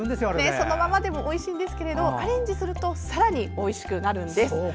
そのままでもおいしいんですけどアレンジするとさらにおいしくなるんです。